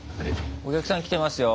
お客さん来てますよ。